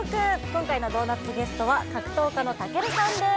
今回のドーナツゲストは格闘家の武尊さんです